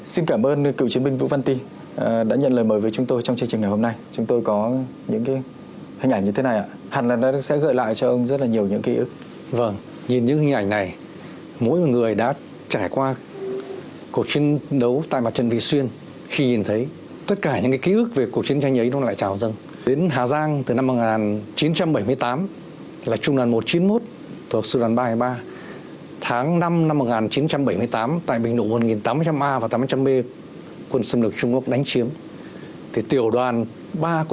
xin cảm ơn cựu chiến binh vũ văn ti đã nhận lời mời với chúng tôi trong chương trình ngày hôm nay